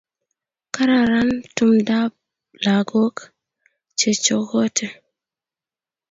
Kararan tumdoab lakoko chechokote